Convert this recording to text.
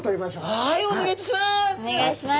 はいお願いいたします！